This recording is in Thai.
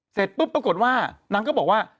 เสร็จปุ๊บปรากฏว่านางก็บอกว่า